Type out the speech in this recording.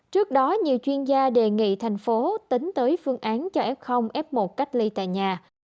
trước đó nhiều chuyên gia đề nghị thành phố tính tới phương án cho f f một cách ly tại nhà